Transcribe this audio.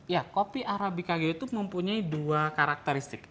ya kopi arabica gayo itu mempunyai dua karakteristik